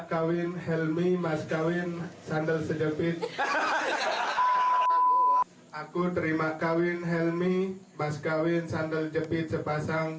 kawin helmi mas kawin sandal sedepit aku terima kawin helmi mas kawin sandal jepit sepasang